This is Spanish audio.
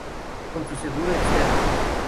Con un seguro externo.